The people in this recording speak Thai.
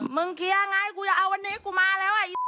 มึงเคลียร์ไงกูจะเอาวันนี้กูมาแล้ว